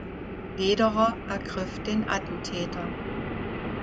Lederer ergriff den Attentäter.